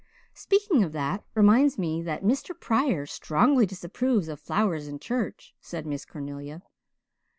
"Speaking of that reminds me that Mr. Pryor strongly disapproves of flowers in church," said Miss Cornelia.